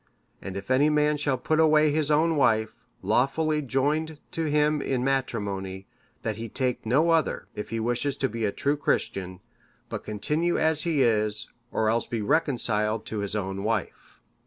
And if any man shall put away his own wife, lawfully joined to him in matrimony, that he take no other, if he wishes to be a true Christian, but continue as he is, or else be reconciled to his own wife.